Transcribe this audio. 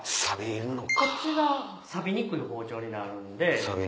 こっちが錆びにくい包丁になるんで。